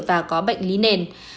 và có bệnh lý nền